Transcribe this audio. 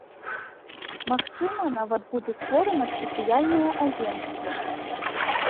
Магчыма, нават будзе створана спецыяльнае агенцтва.